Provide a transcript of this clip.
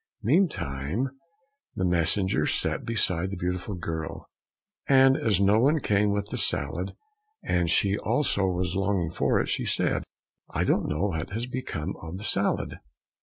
Meantime the messenger sat beside the beautiful girl, and as no one came with the salad and she also was longing for it, she said, "I don't know what has become of the salad."